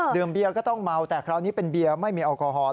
เบียร์ก็ต้องเมาแต่คราวนี้เป็นเบียร์ไม่มีแอลกอฮอล